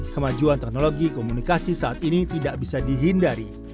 kemajuan teknologi komunikasi saat ini tidak bisa dihindari